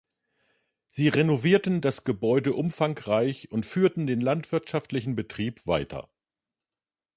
Sie renovierten das Gebäude umfangreich und führten den landwirtschaftlichen Betrieb weiter.